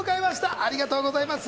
ありがとうございます。